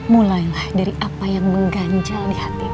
mulailah dari apa yang mengganjal di hatimu